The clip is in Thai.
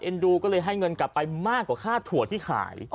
ดูก็เลยให้เงินกลับไปมากกว่าค่าถั่วที่ขาย